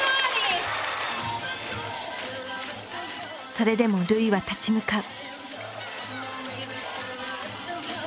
それでも瑠唯は立ち向かう。